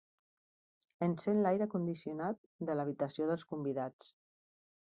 Encén l'aire condicionat de l'habitació dels convidats.